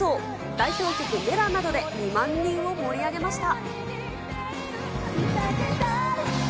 代表曲、Ｍｅｌａ！などで２万人を盛り上げました。